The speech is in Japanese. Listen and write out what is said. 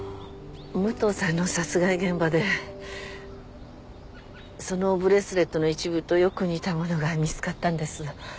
武藤さんの殺害現場でそのブレスレットの一部とよく似たものが見つかったんです。